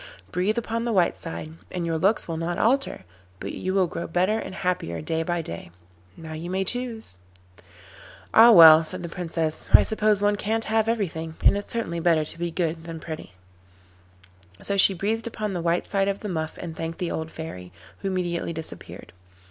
Breathe upon the white side and your looks will not alter, but you will grow better and happier day by day. Now you may choose.' 'Ah well,' said the Princess, 'I suppose one can't have everything, and it's certainly better to be good than pretty.' And so she breathed upon the white side of the muff and thanked the old fairy, who immediately disappeared.